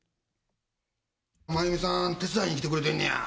まゆみさん、手伝いに来てくれてんねや。